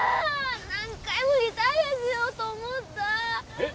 何回もリタイアしようと思ったえっ